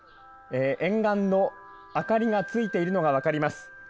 沿岸の明かりがついているのが分かります。